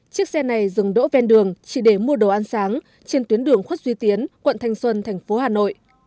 chiếc xe này dừng đỗ ven đường chỉ để mua đồ ăn sáng trên tuyến đường khuất duy tiến quận thanh xuân thành phố hà nội